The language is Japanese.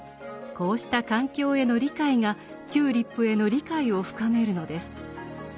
こうした環境への理解がチューリップへの理解を深めるのです。